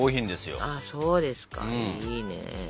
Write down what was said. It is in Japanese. そうですかいいね。